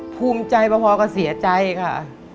ภูมิใจพอกับเสียใจค่ะ